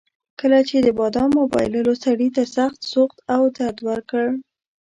کله چې د بادامو بایللو سړي ته سخت سوخت او درد ورکړ.